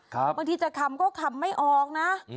บางทีจะขำก็ขำไม่ออกนะ